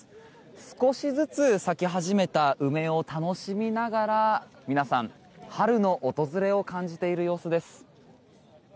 少しずつ咲き始めた梅を楽しみながら皆さん、春の訪れを感じている様子です。